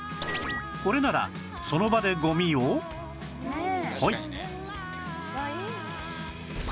これならその場でゴミをポイ！